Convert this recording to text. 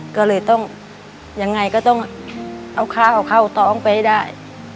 ก็เลยต้องยังไงก็ต้องเอาข้าวเอาเข้าท้องไปให้ได้